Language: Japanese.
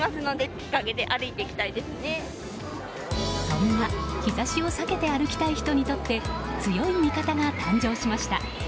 そんな日差しを避けて歩きたい人にとって強い味方が誕生しました。